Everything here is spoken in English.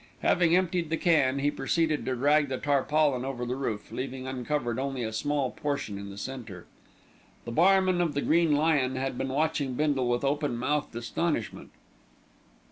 Having emptied the can, he proceeded to drag the tarpaulin over the roof, leaving uncovered only a small portion in the centre. The barman of The Green Lion had been watching Bindle with open mouthed astonishment.